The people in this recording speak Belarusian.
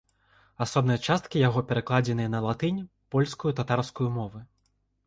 Асобныя часткі яго перакладзены на латынь, польскую, татарскую мовы.